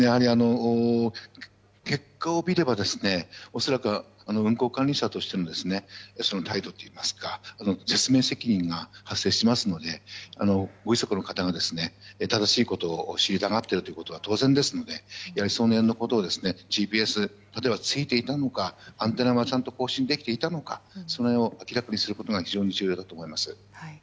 結果を見れば運航管理者としての態度といいますか説明責任が発生しますのでご遺族の方が正しいことを知りたがっているというのは当然ですので、その辺のことをＧＰＳ、例えばついていたのかアンテナはちゃんと交信できていたのかそれを明らかにすることが非常に重要だと思います。